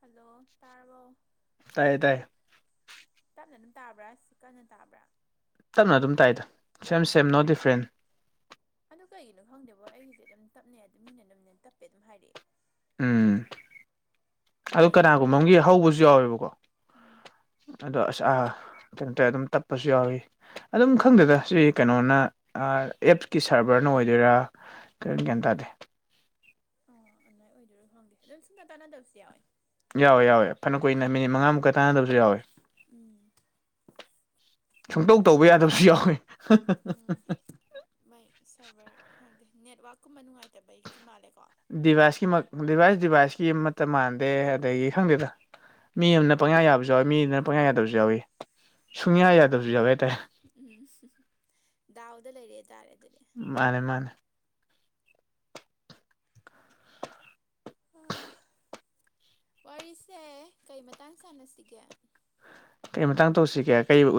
hello ꯇꯥꯔꯔꯕ ꯇꯥꯏꯌꯦ ꯇꯥꯏꯌꯦ ꯆꯥꯛ ꯂꯩꯅꯨ ꯇꯥꯕ꯭ꯔꯥ ꯁꯤ ꯀꯟꯅ ꯇꯥꯕ꯭ꯔꯥ ꯇꯞꯅ ꯑꯗꯨꯝ ꯇꯥꯏꯗ ꯁꯦꯝ ꯁꯦꯝ ꯅꯣ ꯗꯤꯐ꯭ꯔꯦꯟ ꯑꯗꯨ ꯀꯩꯒꯤꯅꯣ ꯈꯪꯗꯦꯕꯣ ꯑꯩꯒꯤꯗꯤ ꯑꯗꯨꯝ ꯇꯞꯅꯦ ꯑꯗꯨꯝ ꯃꯤꯅ ꯑꯗꯨꯝꯃꯤꯟꯅ ꯇꯞꯄꯦ ꯑꯗꯨꯝ ꯍꯥꯏꯔꯛꯑꯦ ꯎꯝ ꯑꯗꯨ ꯑꯩꯒꯤ ꯀꯅꯥꯒꯨꯝꯕ ꯐꯣꯟ ꯑꯃꯒꯤꯒꯤ ꯍꯧꯕꯁꯨ ꯌꯥꯎꯋꯦꯕꯀꯣ ꯎꯝ ꯑꯗꯣ ꯑꯁ ꯀꯩꯅ ꯑꯗꯨꯝ ꯇꯞꯄꯁꯨ ꯌꯥꯎꯋꯤ ꯑꯗꯨꯝ ꯈꯪꯗꯗ ꯁꯤ ꯀꯩꯅꯣꯅ ꯑꯦꯞꯁꯀꯤ ꯁꯥꯔ ꯑꯣꯏꯗꯣꯏꯔꯥ ꯀ ꯒ꯭ꯌꯥꯟ ꯇꯥꯗꯦ ꯑꯣ ꯑꯗꯨꯏ ꯑꯣꯏꯗꯣꯏꯔꯣ ꯈꯪꯗꯦ ꯑꯗꯨꯝ ꯁꯨꯝꯗ ꯇꯥꯟꯅꯗꯕꯁꯨ ꯌꯥꯎꯋꯦ ꯌꯥꯋꯦ ꯌꯥꯋꯦ ꯐꯅ ꯀꯨꯏꯅ ꯃꯤꯠ ꯃꯉꯥꯃꯨꯛꯀ ꯇꯥꯗꯧ ꯎꯝ ꯁꯨꯡꯇꯧ ꯇꯧꯕ ꯌꯥꯗꯕꯁꯨ ꯌꯥꯎꯋꯤ ꯎꯝ ꯩ ꯁꯔꯚꯔ ꯍꯪꯗꯦ ꯅꯦꯠꯋꯛꯀꯨꯝꯕ ꯅꯨꯡꯉꯥꯏꯇꯕꯩꯛꯇ ꯃꯥꯜꯂꯦꯀꯣ ꯗꯤꯚꯥꯏꯁꯀꯤ ꯗꯤꯚꯥꯏꯁ ꯗꯤꯚꯥꯏꯁꯀꯤ ꯑꯃꯠꯇ ꯃꯥꯟꯗꯦ ꯑꯗꯒꯤ ꯈꯪꯗꯦꯗ ꯃꯤ ꯑꯃꯅ ꯄꯪꯌꯥ ꯌꯥꯕꯁꯨ ꯌꯥꯎꯋꯏ ꯃꯤꯗꯨꯅ ꯄꯪꯌꯥ ꯌꯥꯗꯕꯁꯨ ꯌꯥꯎꯏ ꯁꯨꯏꯌꯥ ꯎꯝ ꯌꯥꯗꯒꯦ ꯇ ꯎꯝ ꯗꯥꯎꯗ ꯂꯩꯔꯦ ꯍꯥꯏꯇꯥꯔꯦ ꯃꯥꯅꯦ ꯃꯥꯅꯦ ꯋꯥꯔꯤꯁꯦ ꯀꯩ ꯃꯇꯥꯡ ꯁꯥꯟꯅꯁꯤꯒꯦ ꯀꯔꯤ ꯃꯇꯥꯡ ꯇꯧꯁꯤꯒꯦ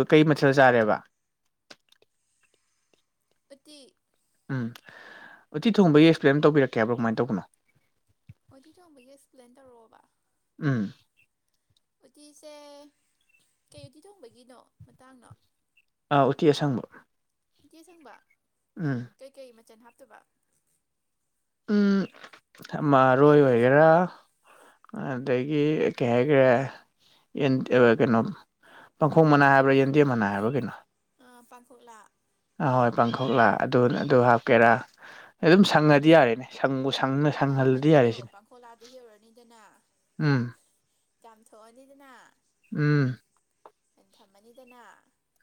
ꯀꯩ ꯃꯊꯦꯜ ꯆꯥꯔꯦꯕ ꯄ ꯎꯝ ꯎꯠꯇꯤ ꯊꯣꯡꯕꯒꯤ ꯑꯦꯛꯁꯄ꯭ꯂꯦꯟ ꯇꯧꯕꯤꯔꯛꯀꯦ ꯍꯥꯏꯕ꯭ꯔꯣ ꯀꯃꯥꯏꯅ ꯇꯧꯕꯅꯣ ꯑꯣꯗꯤ ꯊꯣꯡꯕꯒꯤ ꯑꯦꯛꯁꯄ꯭ꯂꯦꯟ ꯇꯧꯔꯛꯑꯣꯕ ꯎꯝ ꯎꯇꯤꯁꯦ ꯀꯩ ꯎꯇꯤ ꯊꯣꯡꯕꯒꯤꯅꯣ ꯃꯇꯥꯡꯅꯣ ꯑꯥ ꯎꯇꯤ ꯑꯁꯪꯕ ꯏꯆꯦ ꯁꯪꯕ ꯎꯝ ꯀꯩꯀꯩ ꯃꯆꯜ ꯍꯥꯞꯇꯕ ꯎꯝ ꯃꯔꯣꯏ ꯑꯣꯏꯒꯦꯔꯥ ꯑꯗꯒꯤ ꯀꯩ ꯍꯥꯏꯈꯔꯦ ꯀꯩꯅꯣ ꯄꯥꯡꯈꯣꯡ ꯃꯅꯥꯏ ꯍꯥꯏꯕ꯭ꯔꯥ ꯌꯦꯟꯗꯦꯝ ꯃꯅꯥꯏ ꯍꯥꯏꯕ꯭ꯔꯥ ꯀꯩꯅꯣ ꯍꯥꯄꯥꯡꯈ ꯂꯥꯛ ꯍꯣꯏ ꯄꯥꯡꯈꯣꯛꯂ ꯑꯗꯨ ꯍꯥꯞꯀꯦꯔꯥꯝ ꯁꯪꯉꯗꯤ ꯌꯥꯔꯦꯅꯦ ꯁꯪꯅ ꯑꯥ ꯁꯪꯍꯜꯂꯗꯤ ꯌꯥꯔꯦ ꯑꯗꯨꯗꯣ ꯁꯤꯅꯦ ꯄꯥꯡꯈꯣꯂꯥꯗ ꯍꯦꯛꯎꯔꯅꯤꯗꯅ ꯎꯝ ꯆꯥꯝꯊꯣꯛꯑꯅꯤꯗꯅ ꯎꯝ ꯑ ꯊꯝꯃꯅꯤꯗꯅ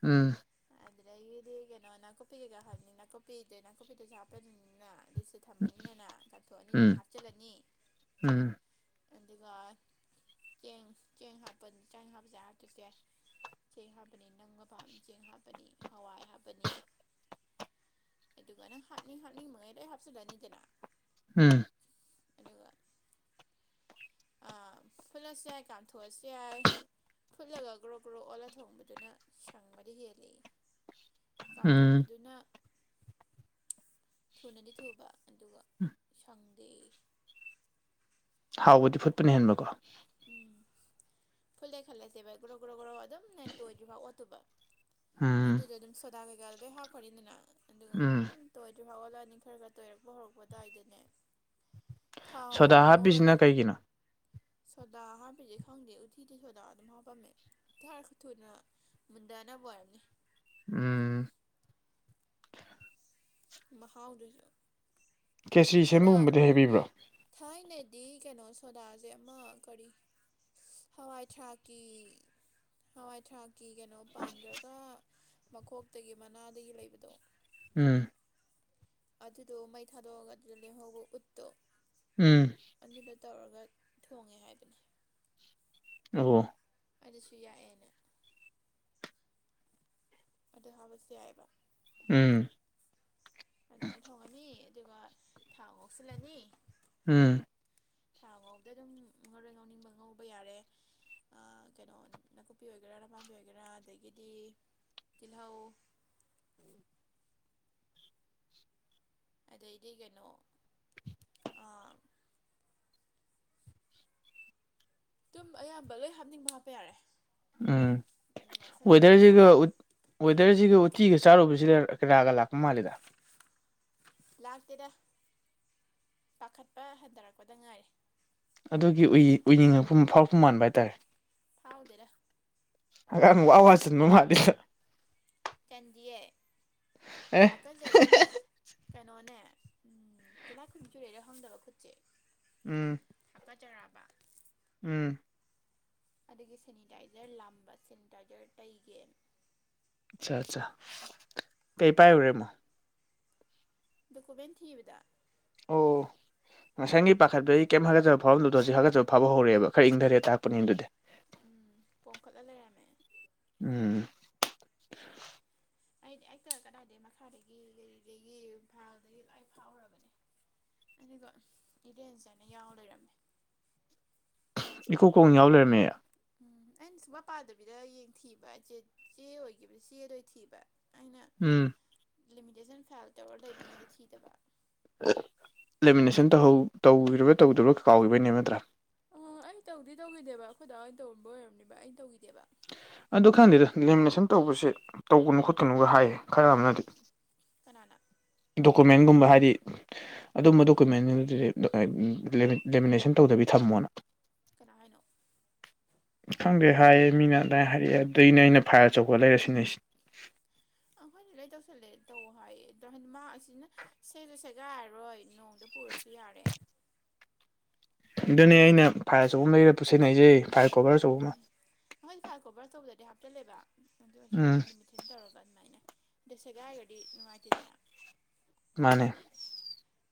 ꯎꯝ ꯑꯗꯨꯗ ꯑꯩꯒꯤꯗꯤ ꯀꯩꯅꯣ ꯅꯥꯀꯨꯞꯄꯤ ꯀꯩꯀꯥ ꯍꯕꯅꯤ ꯅꯥꯀꯨꯞꯄꯤꯗ ꯅꯥꯀꯨꯞꯄꯤꯗꯁꯨ ꯍꯥꯞꯄꯅꯤꯅꯤꯅ ꯑꯗꯨꯁꯨ ꯊꯝꯕꯅꯤꯅꯅ ꯎꯝ ꯎꯝ ꯑꯗꯨꯒ ꯆꯦꯡ ꯆꯦꯡ ꯍꯥꯞꯄ ꯆꯦꯡ ꯍꯥꯞꯄꯁꯦ ꯍꯥꯞꯇꯁꯦ ꯆꯦꯡ ꯍꯥꯞꯄꯅꯤ ꯅꯪꯒ ꯄꯥꯝꯅ ꯆꯦꯡ ꯍꯥꯞꯄꯅꯤ ꯍꯋꯥꯏ ꯍꯥꯞꯄꯅꯤ ꯑꯗꯨꯒ ꯅꯪ ꯍꯥꯞꯅꯤꯡ ꯍꯥꯞꯠꯅꯤꯡꯉꯩ ꯂꯣꯏ ꯍꯥꯞꯆꯤꯜꯂꯅꯤꯗꯅ ꯎꯝ ꯑꯗꯨꯒ ꯐꯨꯠꯂꯁꯨ ꯌꯥꯏ ꯀꯥꯝꯊꯣꯛꯑꯁꯨ ꯌꯥꯏ ꯐꯨꯠꯂꯒ ꯒ꯭ꯔꯣ ꯒ꯭ꯔꯣ ꯑꯣꯜꯂ ꯊꯣꯡꯕꯗꯨꯅ ꯁꯪꯕꯗ ꯍꯦꯜꯂꯛꯏ ꯎꯝ ꯀꯥꯝꯊꯣꯛꯄꯗꯨꯅ ꯊꯨꯅꯗꯤ ꯊꯨꯕ ꯑꯗꯨꯒ ꯎꯝ ꯁꯪ ꯍꯥꯎꯕꯗꯤ ꯐꯨꯠꯄꯅ ꯍꯦꯟꯕꯀꯣ ꯎꯝ ꯐꯨꯂꯦ ꯈꯜꯂꯁꯦ ꯚꯥꯏ ꯒ꯭ꯔꯣ ꯒ꯭ꯔꯣ ꯒ꯭ꯔꯣ ꯑꯗꯨꯝ ꯅ ꯇꯣꯏꯗ꯭ꯔꯤꯐꯥꯎ ꯑꯣꯠꯇꯨꯕ ꯎꯝ ꯑꯗꯨꯗꯣ ꯑꯗꯨꯝ ꯁꯣꯗꯥ ꯀꯩꯀꯥ ꯂ ꯂꯣꯏ ꯍꯥꯞꯈꯣꯅꯤꯅ ꯑꯗꯨꯒ ꯎꯝ ꯑꯗꯨꯝ ꯑꯗꯨ ꯐꯥꯎꯒꯠꯂꯑꯅꯤ ꯈꯔ ꯈꯔ ꯇꯣꯏꯔꯛꯄ ꯍꯧꯔꯛꯄ ꯇꯥꯏꯏꯗꯅꯦ ꯁꯣꯗꯥ ꯍꯥꯞꯄꯤꯁꯤꯅ ꯀꯩꯒꯤꯅꯣ ꯁꯣꯗꯥ ꯍꯥꯞꯄꯤꯁꯦ ꯈꯪꯗꯦ ꯎꯠꯇꯤꯗꯤ ꯁꯣꯗꯥ ꯑꯗꯨꯝ ꯍꯥꯞꯄꯝꯃꯦꯔ ꯊꯨꯅ ꯃꯨꯟꯗꯅꯕ ꯔꯅꯤ ꯎꯝ ꯃꯍꯥ ꯎꯗ ꯀꯦꯁꯔꯤ ꯁꯦꯝꯕꯒꯨꯝꯕꯗꯤ ꯍꯥꯏꯕꯤꯕ꯭ꯔꯥ ꯗꯤ ꯀꯩꯅꯣ ꯁꯣꯗꯥꯁꯦ ꯑꯃ ꯀꯔꯤ ꯍꯋꯥꯏ ꯊꯥꯥꯛꯀꯤ ꯍꯋꯥꯏꯥꯛ ꯀꯤ ꯀꯩꯅꯣ ꯄꯥꯟꯈ꯭ꯔꯒ ꯃꯈꯣꯛꯇꯒꯤ ꯃꯅꯥꯗꯒꯤ ꯂꯩꯕꯗꯣ ꯎꯝ ꯑꯗꯨꯗꯨ ꯃꯩ ꯊꯥꯗꯒ ꯑꯗꯨꯗꯤ ꯍꯒꯣ ꯎꯠꯇꯨ ꯎꯝ ꯇꯧꯔꯒ ꯊꯣꯡꯉꯦ ꯍꯥꯏꯕꯅꯤ ꯑꯣ ꯑꯗꯨꯁꯨ ꯌꯥꯏꯑꯦꯅ ꯑꯗꯨ ꯍꯥꯕꯁꯨ ꯌꯥꯏꯑꯕ ꯎꯝ ꯑꯗꯨꯃꯥꯏꯅ ꯊꯧꯉꯅꯤ ꯑꯗꯨꯒ ꯊꯥꯎ ꯉꯣꯛꯆꯤꯜꯂꯅꯤ ꯎꯝ ꯊꯥ ꯐꯥꯎꯗ ꯑꯗꯨꯝ ꯉꯣꯔꯣꯏ ꯉꯥꯎꯅꯤꯡꯕ ꯉꯧꯕ ꯌꯥꯔꯦ ꯀꯩꯅꯣ ꯅꯥꯀꯨꯞꯄꯤ ꯑꯣꯏꯒꯦꯔꯥ ꯅꯄꯥꯕꯤ ꯑꯣꯏꯒꯦꯔꯥ ꯑꯗꯒꯤꯗꯤ ꯇꯤꯍꯥꯑꯣ ꯑꯗꯩꯗꯤ ꯀꯩꯅꯣ ꯇꯨꯝ ꯑꯌꯥꯝꯕ ꯂꯣꯏ ꯍꯥꯞꯅꯤꯡꯕ ꯍꯥꯞꯄ ꯌꯥꯔꯦ ꯎꯝ ꯑꯗꯨ ꯉꯧꯁꯜꯂꯅꯤꯗꯅ ꯋꯦꯗꯔꯁꯤꯒ ꯋꯦꯗꯔꯁꯤꯒ ꯎꯇꯤꯒ ꯆꯥꯔꯨꯕꯕꯁꯤ ꯔꯒ ꯂꯥꯛꯀ ꯃꯥꯂꯤꯗ ꯂꯥꯛꯇꯦꯗ ꯄꯥꯈꯠꯄ ꯍꯟꯊꯔꯛꯄꯗ ꯉꯥꯏꯔꯦ ꯑꯗꯨꯒꯤ ꯎꯏꯅꯤꯡꯉꯛꯄ ꯐꯥꯎꯔꯛꯄ ꯃꯥꯟꯕ ꯍꯥꯏꯇꯥꯔꯦ ꯍꯥꯎꯗꯔꯥ ꯍꯥꯒꯥꯝ ꯋꯥꯋꯥ ꯆꯟꯕ ꯃꯜꯂꯤꯗ ꯆꯟꯗꯤꯑꯌꯦ ꯑꯦ ꯑꯀꯜꯗ ꯀꯩꯅꯣꯅꯦ ꯎꯝ ꯀꯨꯂꯥ ꯀꯨꯟꯆꯨꯔꯦꯔꯦꯍꯪꯗꯕ ꯈꯨꯠꯁꯦ ꯎꯝ ꯆꯩꯔꯥꯕ ꯎꯝ ꯑꯗꯒꯤ ꯁꯦꯅꯤꯇꯥꯏꯖꯔ ꯂꯝꯕ ꯁꯦꯅꯤꯇꯥꯏꯖꯔ ꯇꯩꯒꯦ ꯑꯆꯥ ꯑꯆꯥ ꯀꯩ ꯄꯥꯏ ꯎꯔꯦ ꯃ ꯑꯀꯕꯦꯟ ꯊꯤꯕꯗ [inaudible] ꯉꯁꯪꯒꯤ ꯄꯥꯈꯠꯄꯒꯤ ꯀꯩꯝ ꯍꯥꯒꯠꯆꯕ ꯐꯥꯎꯐꯝꯗꯨꯗꯣꯖꯤꯛ ꯍꯥꯒꯠꯆꯕ ꯐꯥꯎꯕ ꯍꯧꯔꯛꯦꯕ ꯈꯔ ꯏꯪꯊꯔꯦ ꯇꯥꯛꯄꯅꯤ ꯑꯗꯨꯗꯤ ꯎꯝ ꯄꯣꯡꯝꯈꯠꯂ ꯂꯩꯔꯝꯃꯦ ꯎꯝ ꯑꯩꯗꯤ ꯍꯦꯛꯇ ꯀꯗꯥꯏꯗꯒꯤ ꯃꯈꯥꯗꯒꯤ ꯀꯩꯗꯒꯤ ꯏꯝꯐꯥꯜꯗꯒꯤ ꯂꯣꯏ ꯐꯥꯎꯔꯕꯅꯦ ꯑꯗꯨꯒ ꯏꯔꯦꯟꯖꯅ ꯌꯥꯎ ꯂꯩꯔꯝꯃꯦ ꯏꯀꯨ ꯀꯣꯡꯅ ꯌꯥꯎ ꯂꯩꯔꯝꯃꯦ ꯎꯝ ꯑꯩꯅ ꯁꯨꯡꯃ ꯄꯥꯗꯕꯤꯗ ꯌꯦꯡ ꯊꯤꯕ ꯑꯩꯆꯦ ꯆꯦ ꯑꯣꯏꯈꯤꯕ ꯆꯦꯗ ꯑꯣꯏ ꯊꯤꯕ ꯑꯩꯅ ꯎꯝ ꯂꯤꯃꯤꯇꯦꯁꯟ ꯐꯥꯏꯜ ꯇꯧꯔꯒ ꯂꯩꯕꯉꯩꯗꯤ ꯊꯤꯗꯕ ꯟ ꯇꯧ꯭ꯔꯥ ꯇꯧꯗꯔꯤꯕ꯭ꯔꯥ ꯀꯥꯎꯕꯩꯅꯦ ꯅꯠꯇ꯭ꯔꯥ ꯑꯣ ꯑꯩ ꯇꯧꯗꯤ ꯇꯧꯈꯤꯗꯦꯕ ꯑꯩꯈꯣꯏꯗꯥ ꯑꯣꯏꯅ ꯇꯧꯔꯝꯕ ꯑꯣꯏꯔꯕꯅꯦꯕ ꯑꯩꯅ ꯇꯧꯈꯤꯗꯦꯕ ꯑꯗꯨ ꯈꯥꯟꯗꯗ ꯂꯦꯃꯤꯅꯦꯁꯟ ꯇꯧꯕꯁꯦ ꯇꯧꯒꯅꯨ ꯈꯣꯠꯀꯅꯨꯒ ꯍꯥꯏꯌꯦ ꯈꯔ ꯑꯃꯅꯗꯤ ꯀꯅꯥꯅ ꯗꯣꯀꯨꯃꯦꯟꯒꯨꯝꯕ ꯍꯥꯏꯗꯤ ꯑꯗꯨꯝꯕ ꯗꯣꯀꯨꯃꯦꯟ ꯂꯦꯃꯤꯅꯦꯁꯟ ꯇꯧꯗꯕꯤ ꯊꯝꯃꯣꯅ ꯀꯅꯥ ꯍꯥꯏꯅꯣ ꯈꯪꯗꯦ ꯍꯥꯏꯌꯦ ꯃꯤꯅ ꯑꯗꯨꯗꯥꯃꯥꯏꯅ ꯍꯥꯏꯔꯛꯑꯦ ꯑꯗꯨꯗꯩꯅꯦ ꯑꯩꯅ ꯐꯥꯏꯌꯔ ꯑꯆꯧꯕ ꯂꯩꯔꯁꯤꯅꯦ ꯑꯍꯣꯏ ꯏꯂ ꯇꯧꯁꯜꯂꯦ ꯇꯧ ꯍꯥꯏꯌꯦ ꯑꯗꯣ ꯍꯥꯏꯗꯤ ꯃꯥ ꯑꯁꯤꯅ ꯁꯦꯂ ꯁꯦꯒꯥꯏꯔꯔꯣꯏ ꯅꯣꯡꯗ ꯄꯨꯔꯁꯨ ꯌꯥ ꯦ ꯑꯗꯨꯗꯅꯦ ꯑꯩꯅ ꯐꯥꯏꯔ ꯑ ꯆꯒꯕ ꯂꯩꯔ ꯄꯨꯁꯦꯟꯅꯩꯖꯩ ꯎꯝ ꯑꯩꯣꯏꯗꯤ ꯐꯥꯏ ꯀꯣꯚꯔ ꯇꯧꯕꯗꯗꯤ ꯍꯥꯞꯆꯤꯜꯂꯦꯕ ꯑꯗꯨꯁꯤꯗ ꯎꯝ ꯑꯃꯨꯛ ꯅꯨꯃꯤꯠꯁꯤꯤꯟꯅ ꯇꯧꯔꯒ ꯑꯗꯨꯃꯥꯏꯅ ꯑꯗꯣ ꯁꯦꯒꯥꯏꯔꯒꯗꯤ ꯅꯨꯡꯉꯥꯏꯇꯦꯗꯅ ꯃꯥꯅꯦ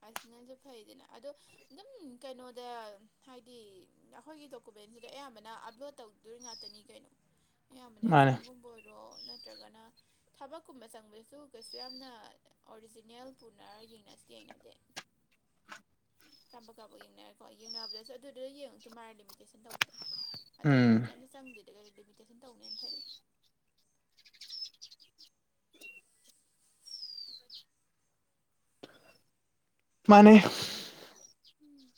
ꯑꯁꯤ ꯅꯁꯨ ꯐꯩꯗꯅ ꯑꯗꯣ ꯑꯗꯨꯝ ꯀꯩꯅꯣꯗ ꯍꯥꯏꯗꯤ ꯑꯩꯈꯣꯏꯒꯤ ꯁꯕꯦꯟꯁꯤꯗ ꯑꯌꯥꯝꯕꯅ ꯑꯞꯂꯣꯗ ꯇꯧꯗꯣꯏ ꯉꯥꯛꯇꯅꯤ ꯀꯩꯅꯣ ꯑꯌꯥꯝꯕꯅ ꯃꯥꯅꯦ ꯑꯦꯛꯖꯥꯝꯒꯨꯝꯕ ꯑꯣꯏꯔꯣ ꯅꯠꯇ꯭ꯔꯒꯅ ꯊꯕꯛꯀꯨꯝꯕ ꯆꯪꯕꯗꯁꯨ ꯀꯩꯁꯨ ꯌꯥꯝꯅ ꯑꯣꯔꯤꯖꯤꯅꯦꯜ ꯄꯨꯅꯔ ꯌꯦꯡꯅꯁꯤ ꯌꯦꯡꯅꯕꯤ [unintelligible] ꯀꯥꯄ ꯀꯥꯄ ꯌꯦꯡꯅꯔꯦꯀꯣ ꯌꯦꯡꯅꯕꯗꯁꯨ ꯑꯗꯨꯗꯨ ꯌꯦꯡꯉꯛꯇꯨ ꯃꯥꯔꯦ ꯂꯤꯃꯤꯇꯦꯁꯟ ꯇꯧꯕꯗ ꯑꯇꯩꯗꯗꯤ ꯎꯝ ꯀꯩꯝꯇ ꯆꯪꯗꯦꯗ ꯀꯩꯅꯣ ꯂꯤꯃꯤꯇꯦꯁꯟ ꯇꯧꯅꯦꯅ ꯐꯩꯌꯦ ꯃꯥꯅꯤ ꯎꯝ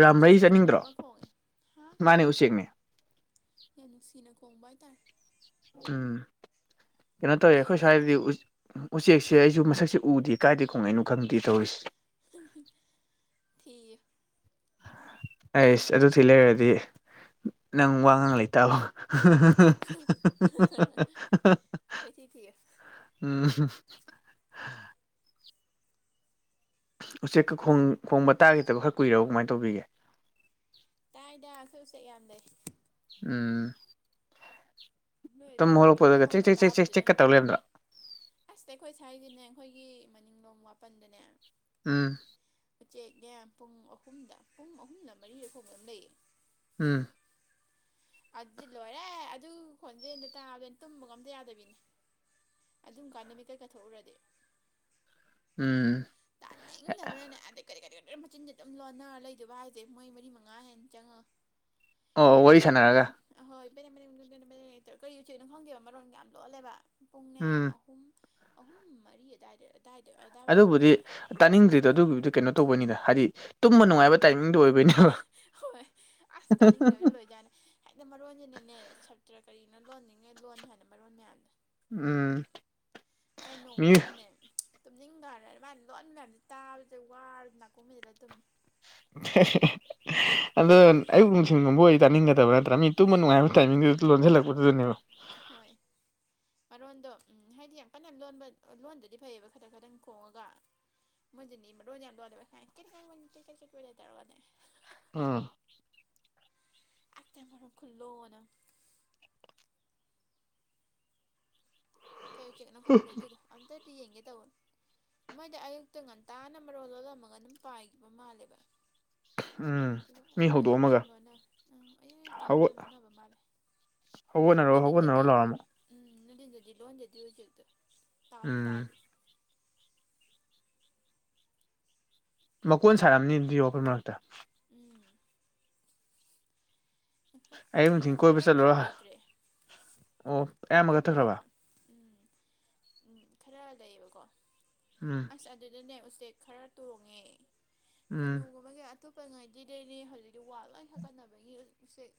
ꯔꯥꯝ ꯔꯩ ꯆꯠꯅꯤꯡꯗ꯭ꯔꯣ ꯈꯣꯡꯉꯦ ꯍꯥ ꯃꯥꯅꯦ ꯎꯆꯦꯛꯅꯦ ꯌꯥꯝ ꯅꯨꯡꯁꯤꯅ ꯈꯣꯡꯕ ꯍꯥꯏꯇꯥꯔꯦ ꯎꯝ ꯀꯩꯅꯣꯇꯣ ꯀꯩ ꯑꯦꯈꯣꯏ ꯎꯆꯦꯛꯅꯣ ꯁꯥꯏꯗꯤ ꯎꯆꯦꯛꯁꯦ ꯑꯩꯁꯨ ꯃꯁꯛꯁꯦ ꯎꯗꯦ ꯀꯥꯏꯗꯦ ꯈꯣꯡꯉꯅꯣ ꯈꯪꯗꯤꯤ ꯇꯧꯔꯤꯁꯤ ꯊꯤꯌꯦ ꯑꯩꯁ ꯑꯗꯨꯗꯤ ꯂꯩꯔꯗꯤ ꯅꯪ ꯋꯥ ꯉꯥꯡ ꯂꯩꯇꯥꯕꯣ ꯀꯩꯊꯤ ꯊꯤꯌꯦ ꯎꯝ ꯍ ꯎꯆꯦꯛꯀ ꯈꯣꯡꯕ ꯇꯥꯈꯤꯗꯕ ꯈꯔ ꯀꯨꯏꯔꯣ ꯀꯃꯥꯏꯅ ꯇꯧꯕꯤꯒꯦ ꯇꯥꯏꯗ ꯑꯩꯈꯣꯏ ꯎꯆꯦꯛ ꯌꯥꯝ ꯂꯩꯩ ꯑ ꯅꯣꯏꯗꯅ ꯈꯔ ꯀꯟꯅ ꯆꯦꯛ ꯍꯧꯅ ꯆꯦꯛ ꯆꯦꯛ ꯆꯦꯛ ꯇꯥꯕꯗꯨꯗ ꯆꯦꯛꯀ ꯇꯧ ꯂꯩꯔꯝꯗ꯭ꯔꯣ ꯑꯁꯇ ꯑꯩꯈꯣꯏ ꯁ ꯍꯥꯏꯁꯦꯅꯦ ꯑꯩꯈꯣꯏꯒꯤ ꯃꯅꯤꯡꯂꯣꯡꯝ ꯃꯥꯄꯟꯗꯅꯦ ꯎꯝ ꯎꯆꯦꯛꯅꯦ ꯄꯨꯡ ꯑꯍꯨꯝꯗ ꯄꯨꯡ ꯑꯍꯨꯝꯗ ꯃꯔꯤ ꯑ ꯊꯣꯛꯣꯡꯕ ꯑꯗꯨꯝ ꯂꯩꯌꯦ ꯎꯝ ꯑꯗꯨꯗꯤ ꯂꯣꯏꯔꯦ ꯑꯗꯨ ꯈꯣꯟꯖꯦꯜꯗ ꯇꯥꯕꯗꯣꯏ ꯇꯨꯝꯕꯒ ꯑꯝꯇ ꯌꯥꯗꯕꯤꯅꯦ ꯑꯗꯨꯝ ꯀꯥꯟꯅꯃꯤ ꯀꯩ ꯀꯥꯊꯣꯛꯎꯔꯗꯤ ꯎꯝ ꯇꯟꯅ ꯉ ꯃꯅꯦ ꯀꯔꯤ ꯀꯔꯤ ꯃꯆꯤꯟꯗꯦ ꯑꯗꯨꯝ ꯂꯣꯟꯅꯔ ꯂꯩꯗꯕ ꯍꯥꯏꯗꯤꯦ ꯃꯣꯏ ꯃꯔꯤ ꯃꯉꯥ ꯍꯦꯟꯅ ꯆꯪꯉꯣ ꯑꯣ ꯀꯦꯔꯤ ꯋꯥꯔꯤ ꯀꯔꯤ ꯀꯔꯤ ꯀꯔꯤ ꯀ ꯁꯥꯟꯅꯔꯒ ꯍꯣꯏ ꯀꯔꯤ ꯎꯆꯅꯣ ꯈꯪꯦꯕ ꯃꯔꯣꯟ ꯀ ꯌꯥꯝ ꯂꯣꯜꯂꯦꯕ ꯄꯨꯡꯅꯦ ꯎꯝ ꯑꯍꯨꯝ ꯑꯍꯨꯝ ꯃꯔꯤ ꯑꯗꯨꯋꯥꯏꯗ ꯑꯗꯨꯗꯥꯏꯗ ꯑꯗꯥꯏꯋꯥꯏꯗ ꯂꯣꯟꯕ ꯇꯗꯩꯅ ꯇ ꯍꯥꯏꯗꯤꯅꯨꯡꯉ ꯅ ꯍꯣꯏ ꯑꯁ ꯇꯥꯅꯤꯡꯗꯣꯏꯅ ꯂꯣꯏꯖꯥꯅꯦ ꯍꯥꯏꯗꯤ ꯃꯔꯣꯟꯁꯤꯅꯅꯦ ꯁꯇ꯭ꯔ ꯀꯔꯤꯅꯣ ꯂꯣꯟꯅꯤꯡ ꯅꯪꯅꯦ ꯂꯣꯟ ꯍꯦꯅꯦ ꯃꯔꯣꯟ ꯍꯅꯦ ꯎꯝ ꯃꯤ ꯇꯨꯝꯅꯤꯡꯈꯔ ꯑꯗꯨ ꯃꯥꯥꯏꯅ ꯂꯣꯟꯕ ꯃꯌꯥꯝꯁꯦ ꯇꯥꯕꯗ ꯋꯥꯔ ꯅꯥꯀꯨꯝ ꯃꯤꯁꯤꯗ ꯑꯗꯨꯝꯃꯦ [inaudible] ꯑꯗꯣ ꯑꯌꯨꯛ ꯅꯨꯡꯊꯤꯒꯨꯝꯕ ꯑꯣꯏ ꯇꯥꯅꯤꯡꯒꯗꯕ ꯅꯠꯇ꯭ꯔꯥ ꯃꯤ ꯇꯨꯝꯃ ꯅꯨꯡꯉꯥꯏꯕ ꯇꯥꯏꯃꯤꯡꯗꯨ ꯂꯣꯟꯁꯤꯜꯂꯛꯄꯗꯨꯗꯅꯦꯕ ꯍꯣꯏ ꯃꯔꯣꯟꯗꯣ ꯎꯝ ꯍꯥꯏꯗꯤ ꯌꯥꯝ ꯀꯟꯅ ꯂꯣꯟꯕ ꯂꯣꯟꯗꯨꯗꯤ ꯐꯩꯌꯦꯕ ꯈꯈꯤꯇꯪ ꯈꯇꯪ ꯈꯣꯡꯉꯒ ꯃ ꯔꯣꯖ ꯌꯥꯝ ꯇꯔꯗꯦ ꯎꯝ ꯃꯔ ꯈꯨꯂꯅ ꯀꯩ ꯎꯆꯦꯛꯅ ꯐꯪꯒꯦ ꯑꯗꯨꯗꯣ ꯑꯝꯇꯗꯤ ꯌꯦꯡꯒꯦ ꯇꯥꯧꯕꯣ ꯃꯣꯏꯗꯤ ꯑꯌꯨꯛꯇ ꯉꯟꯇꯥꯅ ꯃꯔꯣ ꯂꯣꯜꯂꯝꯃꯒ ꯑꯗꯨꯝ ꯄꯥꯏꯈꯤꯕ ꯃꯥꯜꯂꯦꯕ ꯎꯝ ꯑꯗꯨꯒ ꯃꯤ ꯑꯌꯨꯛ ꯍꯧꯗꯣꯛꯑꯝꯃꯒ ꯑꯌꯨꯛꯇꯪ ꯂꯣꯟ ꯑ ꯑꯌꯨꯛ ꯑꯌꯨꯛꯇꯪ ꯃꯔꯨ ꯂꯣꯟꯅꯕ ꯃꯥꯜꯂꯦ ꯍꯒꯠꯅꯔꯣ ꯍꯒꯠꯅꯔꯣ ꯂꯣꯏꯔꯝꯃꯣ ꯗꯤꯤꯟꯗꯗꯤ ꯂꯣꯟꯖꯗ ꯍꯧꯖꯤꯦꯛꯇ ꯇꯥꯁꯨ ꯎꯝ ꯇꯥꯗꯦ ꯃꯀꯣꯟ ꯁꯥꯔꯛꯑꯝꯅꯤ ꯑꯗꯨꯔꯣꯄꯣꯏ ꯃꯔꯛꯇ ꯎꯝ ꯑꯩꯈꯣꯏ ꯑꯌꯨꯛ ꯑꯩꯈꯣꯏ ꯅꯨꯡꯊꯤꯟ ꯀꯣꯏꯕ ꯋꯥꯄꯟ ꯌꯥꯝ ꯆꯠꯂꯨꯔꯣ ꯂꯩꯇ꯭ꯔꯦ ꯑꯣ ꯑꯌꯥꯝꯕ ꯈꯇꯪ ꯂꯩ ꯀꯠꯊꯈ꯭ꯔꯕ ꯎꯝ ꯎꯝ ꯈꯔ ꯂꯩꯌꯦꯕꯀꯣ ꯎꯝ ꯑꯁ ꯑꯗꯨꯗꯅꯦ ꯎꯆꯦꯛ ꯈꯔ ꯇꯣꯡꯉꯦ ꯎꯝ ꯑꯩꯈꯣꯏꯅꯨꯒꯨꯝꯕꯒꯤ ꯑꯇꯣꯞꯄ ꯉꯥꯏꯗꯤꯗꯩꯅꯦ ꯍꯧꯖꯤꯛꯇꯤ ꯋꯥꯠ ꯂ ꯍꯥꯀꯠꯅꯕꯒꯤ ꯎꯆꯦꯛ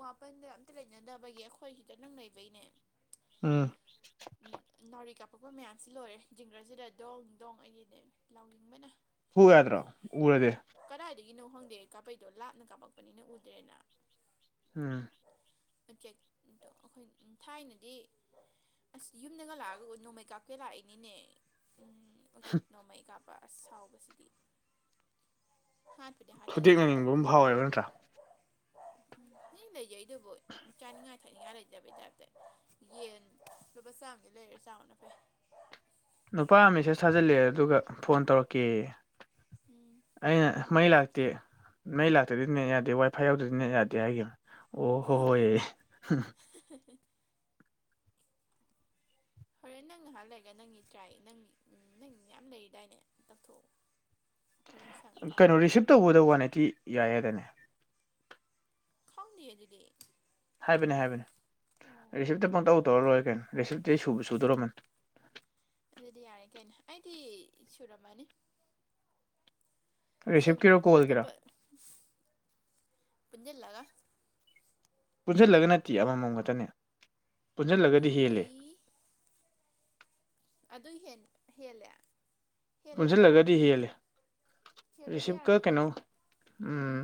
ꯋꯥꯄꯟꯗ ꯑꯝꯇ ꯂꯩꯅꯗꯕꯒꯤ ꯑꯩꯈꯣꯏ ꯍꯗ ꯅꯪ ꯂꯩꯕꯩꯅꯦ ꯎꯝ ꯎꯝ ꯅꯥꯎꯔꯤ ꯀꯥꯞꯄꯛꯄ ꯃꯌꯥꯝꯁꯤ ꯂꯣꯏꯔꯦ ꯖꯤꯡꯒ꯭ꯔꯁꯤꯗ ꯗꯣꯡ ꯗꯣꯡ ꯑꯩꯒꯤꯗꯤ ꯂꯥꯎ ꯌꯦꯡꯕꯅ ꯍꯗ꯭ꯔ ꯎꯔꯗꯦ ꯒꯤꯅꯣ ꯈꯪꯗꯦ ꯀꯥꯄꯩꯗꯣ ꯂꯥꯞꯅ ꯀꯥꯞꯄꯛꯄꯅꯤꯅ ꯎꯗ꯭ꯔꯦꯅ ꯎꯝ ꯎꯆꯦꯛꯣ ꯑꯩꯈꯣꯏ ꯊꯥꯏꯅꯗꯤ ꯑꯁ ꯌꯨꯝꯗꯒ ꯂꯥꯛꯑꯒ ꯅꯣꯡꯃꯩ ꯀꯥꯞꯀꯦ ꯂꯥꯛꯏꯅꯤꯅꯦ ꯎꯝ ꯑꯣ ꯎꯆꯦꯛ ꯅꯣꯡꯃꯩ ꯀꯥꯞꯄ ꯑꯁ ꯁꯥꯎꯕꯁꯤꯗꯤ ꯍꯥꯠꯄꯗꯤ ꯍꯥꯠꯈꯤꯗꯦ ꯏꯁꯧ ꯐꯨꯗꯦꯛꯅꯅꯤꯡꯕ ꯇꯧꯕꯗ ꯑꯃ ꯐꯥꯎꯋꯦꯕ ꯅꯠꯇ꯭ꯔꯥ ꯎꯝ ꯃꯤ ꯂꯩꯖꯩ ꯑꯗꯨꯕꯨꯣꯏ ꯆꯥꯅꯤꯡꯉꯥꯏ ꯊꯛꯅꯤꯡꯉꯥꯏ ꯂꯩꯇꯕ ꯇꯗ ꯌꯦꯟ ꯂꯁ ꯍꯥꯏ ꯂꯩ ꯍꯦꯁ ꯑꯅ ꯐ ꯅꯨꯄꯥ ꯃꯦꯁꯦꯖ ꯊꯥꯖꯤꯜꯂꯑꯦ ꯑꯗꯨꯒ ꯐꯣꯟ ꯇꯧꯔꯛꯀꯦ ꯎꯝ ꯑꯩꯅ ꯃꯩ ꯂꯥꯛꯇ ꯅꯩ ꯂꯥꯛꯇꯗꯤ ꯅꯦꯠ ꯌꯥꯗꯦ ꯋꯥꯏ ꯐꯥꯏ ꯌꯥꯎꯗꯗꯤ ꯅꯠ ꯌꯥꯗꯦ ꯍꯥꯏꯈꯤꯕ ꯑꯣ ꯍꯣꯏ ꯍꯣꯏ ꯍꯣꯔꯦꯟ ꯅꯪ ꯅꯍꯥꯟ ꯂꯩꯔꯒ ꯅꯪꯒꯤ ꯇ꯭ꯔꯥꯏ ꯅꯪ ꯅꯪ ꯌꯥꯝ ꯂꯩꯔꯤꯗꯥꯏꯅꯦ ꯇꯞꯊꯣꯛꯎ [inaudible] ꯀꯩꯅꯣ ꯔꯤꯁꯤꯞ ꯇꯧꯕꯗ ꯋꯥꯟ ꯑꯩꯠꯇꯤ ꯌꯥꯏꯌꯦꯗꯅꯦ ꯈꯥꯎꯅꯤꯦ ꯑꯗꯨꯗꯤ ꯍꯥꯏꯕꯅꯦ ꯍꯥꯏꯕꯅꯦ ꯑꯣ ꯔꯦꯁꯤ ꯁꯨꯕ ꯁꯨꯗꯣꯔꯃꯟ ꯑꯗꯨꯗꯤ ꯌꯥꯔꯦ ꯀꯩꯅ ꯑꯩꯗꯤ ꯁꯨꯔꯃꯅꯤ ꯁ ꯔꯤꯁꯤꯞꯀꯤꯔꯣ ꯑꯇꯣ ꯀꯣꯜꯒꯤꯔꯣ ꯄ ꯄꯨꯟꯖꯜ ꯂꯒ ꯄꯨꯟꯓꯜꯂꯒ ꯅꯠꯇꯦ ꯑꯃꯃꯝ ꯈꯛꯇꯅꯦ ꯏ ꯄꯨꯟꯓꯜꯂꯒꯗꯤ ꯍꯦꯜꯂꯦ ꯍ ꯍꯦꯂ ꯄꯨꯟꯁꯤꯜꯂꯒꯗꯤ ꯍꯦꯜꯂꯦ ꯍꯦꯜꯂꯗꯤ ꯔꯤꯁꯤꯞꯀ ꯀꯩꯅꯣ ꯌꯥꯔꯝꯃꯅꯤꯌꯦ ꯎꯝ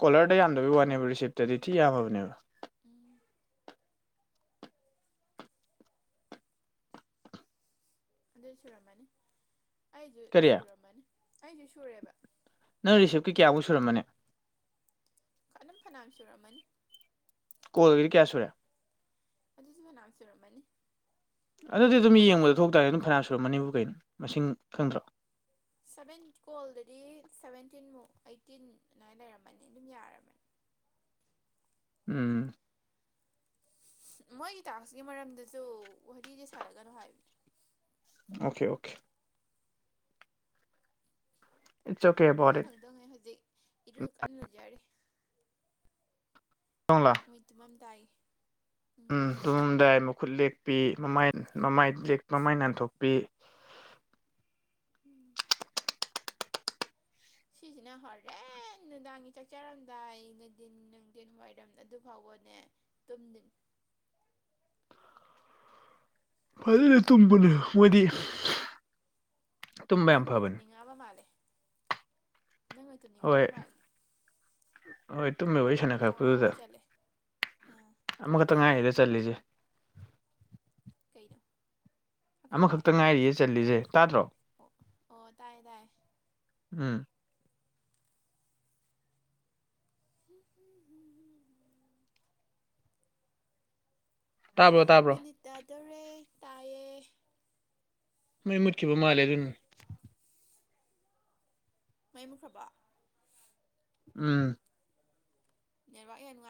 ꯀꯣꯂꯔꯗ ꯌꯥꯝꯗꯕ ꯋꯥꯅꯦꯕ ꯔꯤꯁꯤꯞꯇꯗꯤ ꯊꯤ ꯌꯥꯝꯃꯕꯅꯦꯕ ꯎ ꯑꯗꯨ ꯁꯨꯔꯝꯃꯅꯤ ꯑꯩꯁꯨ ꯀꯔꯤ ꯁꯨꯔꯝꯃꯅꯤ ꯑꯩꯁꯨ ꯁꯨꯔꯦꯕ ꯅꯪ ꯔꯤꯁꯤꯞꯀꯤ ꯀꯌꯥꯃꯨꯛ ꯁꯨꯔꯝꯕꯅꯤ ꯍꯅꯥꯝꯁ ꯔꯃꯟ ꯀꯣꯜꯒꯗꯤ ꯀꯌꯥ ꯁꯨꯔꯦ ꯑꯗꯨꯆꯅꯥꯝꯁꯨ ꯔꯃꯅꯤ ꯑꯗꯨꯗꯤ ꯑꯗꯨꯝ ꯌꯦꯡꯕꯗ ꯊꯣꯛꯇꯔꯦ ꯑꯗꯨꯝ ꯐꯅꯥ ꯁꯨꯔꯝꯃꯅꯤꯕꯨ ꯀꯩꯅꯣ ꯃꯁꯤꯡ ꯈꯪꯗ꯭ꯔꯣ ꯁꯚꯦꯟ ꯀꯣꯜꯗꯗꯤ ꯁꯚꯦꯟꯇꯤꯟꯃꯨꯛ ꯑꯩꯠꯇꯤꯟ ꯑꯗꯨꯥꯏꯅ ꯂꯩꯔꯝꯃꯅꯤ ꯑꯗꯨꯝ ꯌꯥꯔꯝꯃꯦ [inaudible] ꯎꯝ ꯃꯣꯏꯒꯤ ꯇꯥꯛꯁꯀꯤ ꯃꯔꯝꯗꯁꯨ ꯋꯥꯔꯤꯗꯤ ꯁꯥꯟꯅꯒꯅꯨ ꯍꯥꯏꯕꯅꯦ okay okay it's okay about ꯑꯩꯈꯣꯏ ꯏꯠ ꯍꯪꯗꯣꯡꯉꯦ ꯍꯧꯖꯤꯛ ꯏꯔꯨ ꯀꯟꯅ ꯂꯨꯖꯔꯤ ꯇꯣꯡꯂꯥ ꯃꯠꯇꯃꯝ ꯇꯥꯏ ꯎꯝ ꯇꯨꯝꯗꯏꯃ ꯈꯨꯠ ꯂꯦꯛꯄꯤ ꯃꯃꯥꯏ ꯃꯃꯥꯏ ꯃꯃꯥꯏ ꯅꯥꯟꯊꯣꯛꯄꯤ ꯎꯝ ꯁꯤꯁꯤꯅ ꯍꯣꯔꯦꯟ ꯅꯨꯡꯗꯥꯡꯒꯤ ꯆꯥꯛꯆꯔꯝꯗꯥꯏ ꯅꯨꯡꯊꯤꯟ ꯅꯨꯡꯊꯤꯟ ꯋꯥꯏꯔꯝ ꯑꯗꯨ ꯐꯥꯎꯕ ꯅꯦ ꯇꯨꯝ ꯐꯖꯅ ꯇꯨꯝꯕꯅ ꯃꯣꯏꯗꯤ ꯇꯨꯝꯕ ꯌꯥꯝ ꯅꯪ ꯍꯣꯏꯨ ꯐꯕꯅꯦ ꯅꯤꯡꯉꯕ ꯃꯥꯂꯦ ꯅꯪ ꯍ ꯇꯨꯅꯤꯡꯉꯕ ꯍꯣꯏ ꯃꯥꯜꯂꯦ ꯍꯣꯏ ꯇꯨꯝꯃꯦꯕ ꯋꯥꯔꯤ ꯍꯪꯀꯥꯝ ꯋꯥ ꯁꯥꯟꯅꯈꯛꯄꯗꯨꯗ ꯋꯥ ꯆꯠꯂꯦ ꯑꯥ ꯑꯃꯈꯛꯇ ꯇꯨꯝꯅꯤꯡꯉꯛꯏꯕ ꯉꯥꯏꯔꯤꯗ ꯆꯠꯂꯤꯁꯦ ꯀꯩꯅꯣ ꯍꯪꯀꯥꯝꯂꯣ ꯑꯃꯈꯛꯇ ꯉꯥꯏꯔꯤꯌꯦ ꯆꯁꯦ ꯇꯥꯗ꯭ꯔꯣ ꯑꯣ ꯑꯣ ꯇꯥꯏꯌꯦ ꯇꯥꯏꯌꯦ ꯎꯝ ꯎꯝꯝꯝ ꯇꯥꯕ꯭ꯔꯣ ꯇꯥꯕ꯭ꯔꯣ ꯇꯔꯦ ꯇꯥꯏꯌꯦꯌꯦ ꯃ ꯃꯨꯠꯈꯤꯕꯕꯨ ꯃꯥꯥꯂꯦ ꯑꯗꯨꯅ ꯃꯥꯏꯃꯨꯈ꯭ꯔꯕ ꯎꯝ ꯅꯨꯡꯉ